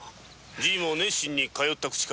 じいも熱心に通った口か？